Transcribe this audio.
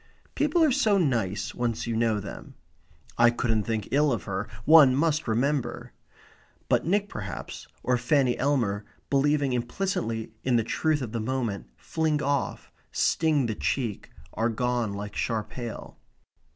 "People are so nice, once you know them." "I couldn't think ill of her. One must remember " But Nick perhaps, or Fanny Elmer, believing implicitly in the truth of the moment, fling off, sting the cheek, are gone like sharp hail.